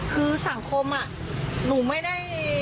คือสังคมหนูไม่ได้